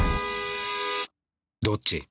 どっち？